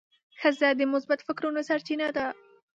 ښځه د مثبت فکرونو سرچینه ده.